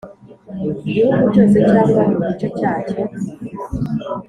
Gihugu cyose cyangwa mu gice cyacyo,